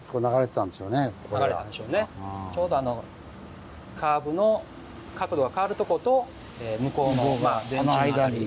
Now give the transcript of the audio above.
ちょうどあのカーブの角度が変わるとこと向こうの電柱の間に。